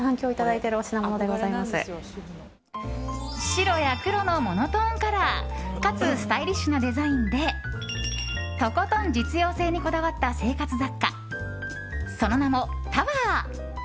白や黒のモノトーンカラーかつスタイリッシュなデザインでとことん実用性にこだわった生活雑貨、その名もｔｏｗｅｒ。